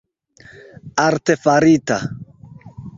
artefarita